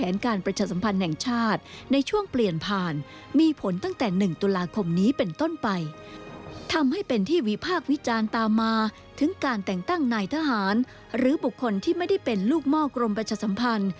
นายทหารหรือบุคคลที่ไม่ได้เป็นลูกม่อกรมประชาสัมพันธ์